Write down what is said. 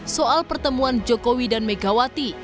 soal pertemuan jokowi dan megawati